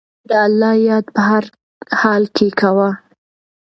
د الله یاد په هر حال کې کوه.